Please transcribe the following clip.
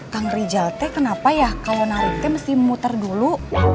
kang rizal teh kenapa ya kalau narik teh mesti muter dulu